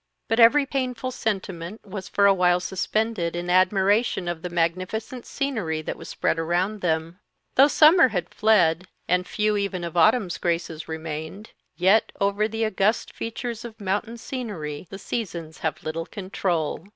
But every painful sentiment was for a while suspended in admiration of the magnificent scenery that was spread around them. Though summer had fled, and few even of autumn's graces remained, yet over the august features of mountain scenery the seasons have little control.